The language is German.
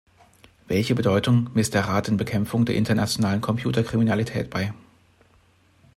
Welche Bedeutung misst der Rat der Bekämpfung der internationalen Computerkriminalität bei?